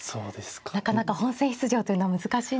なかなか本戦出場というのは難しいんですね。